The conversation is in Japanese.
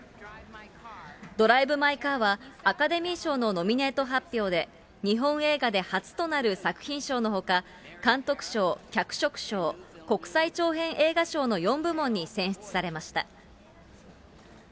ドライブ・マイ・カーは、アカデミー賞のノミネート発表で、日本映画で初となる作品賞のほか、監督賞、脚色賞、国際長編映画賞の４部門に選出されました。